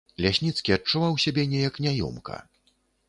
Лясніцкі адчуваў сябе неяк няёмка.